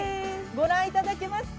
◆ご覧いただけますか？